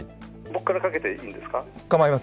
僕からかけていいんですか？